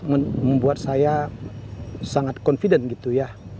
membuat saya sangat confident gitu ya